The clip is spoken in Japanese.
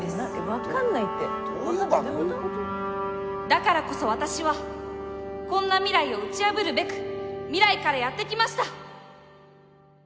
だからこそ私はこんな未来を打ち破るべく未来からやって来ました！